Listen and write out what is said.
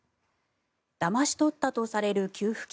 だまし取ったとされる給付金